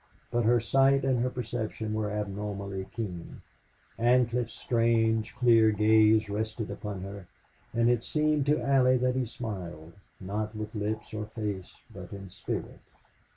But her sight and her perception were abnormally keen. Ancliffe's strange, dear gaze rested upon her, and it seemed to Allie that he smiled, not with lips or face, but in spirit.